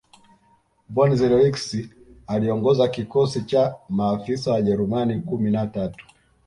von Zelewski aliongoza kikosi cha maafisa Wajerumani kumi na tatu